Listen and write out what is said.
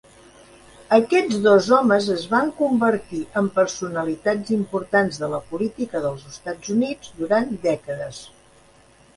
Aquests dos homes es van convertir en personalitats importants de la política dels EUA durant dècades.